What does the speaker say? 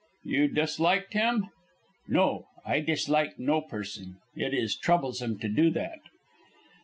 "You disliked him?" "No. I dislike no person. It is troublesome to do that."